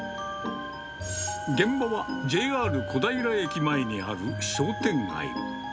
現場はＪＲ小平駅前にある商店街。